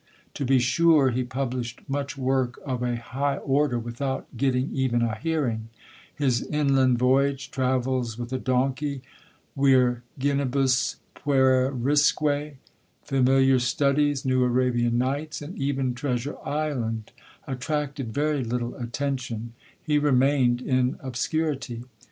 To be sure, he published much work of a high order without getting even a hearing; his Inland Voyage, Travels with a Donkey, Virginibus Puerisque, Familiar Studies, New Arabian Nights, and even Treasure Island, attracted very little attention; he remained in obscurity.